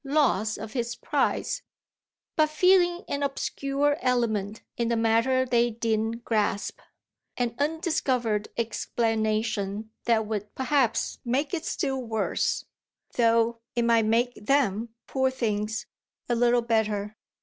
loss of his prize, but feeling an obscure element in the matter they didn't grasp, an undiscovered explanation that would perhaps make it still worse, though it might make them, poor things, a little better.